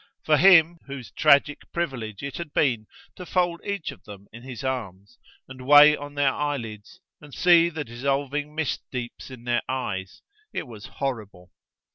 For him whose tragic privilege it had been to fold each of them in his arms, and weigh on their eyelids, and see the dissolving mist deeps in their eyes, it was horrible.